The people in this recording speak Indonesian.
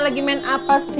lagi main apa sih